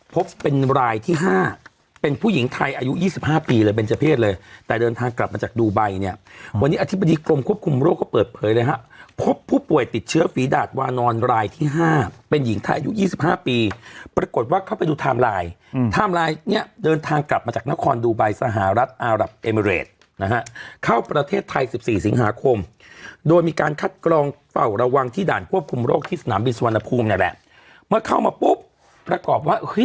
พบเป็นรายที่ห้าเป็นผู้หญิงไทยอายุ๒๕ปีเลยเป็นเจอเพศเลยแต่เดินทางกลับมาจากดูไบเนี่ยวันนี้อธิบดีกรมควบคุมโรคก็เปิดเผยเลยฮะพบผู้ป่วยติดเชื้อฝีดาจวานอนรายที่ห้าเป็นหญิงไทยอายุ๒๕ปีปรากฏว่าเข้าไปดูทามไลน์ทามไลน์เนี่ยเดินทางกลับมาจากนครดูไบสหรัฐอารับเอเมริตนะฮะเข้าประเ